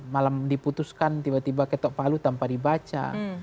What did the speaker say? malam diputuskan tiba tiba ketok palu tanpa dibaca